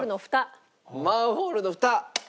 マンホールのふた。